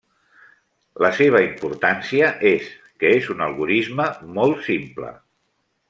La seva importància és que és un algorisme molt simple.